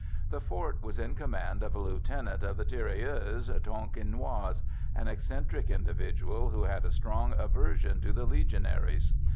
The fort was in command of a lieutenant of the tirailleurs Tonkinois an eccentric individual who had a strong aversion to the Legionaries.